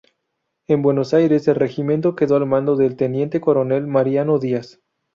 En Buenos Aires el regimiento quedó al mando del teniente coronel Mariano Díaz.